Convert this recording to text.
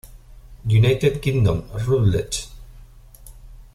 United Kingdom: Routledge.